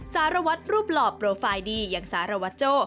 สารวัตรรูปหล่อโปรไฟล์ดีอย่างสารวัตโจ้